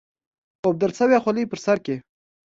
اوبدل شوې خولۍ پر سر کړي.